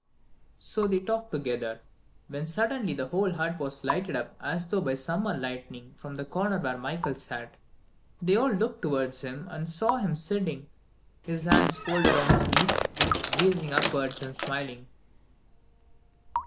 '" So they talked together, when suddenly the whole hut was lighted up as though by summer lightning from the corner where Michael sat. They all looked towards him and saw him sitting, his hands folded on his knees, gazing upwards and smiling.